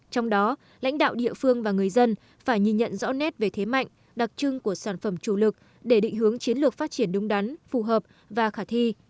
trong đó lãnh đạo địa phương và người dân phải nhìn nhận rõ nét về thế mạnh đặc trưng của sản phẩm chủ lực để định hướng chiến lược phát triển đúng đắn phù hợp và khả thi